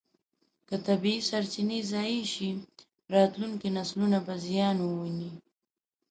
که طبیعي سرچینې ضایع شي، راتلونکي نسلونه به زیان وویني.